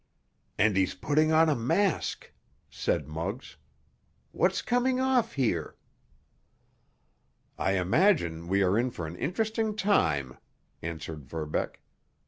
"And he's putting on a mask," said Muggs. "What's coming off here?" "I imagine we are in for an interesting time," answered Verbeck.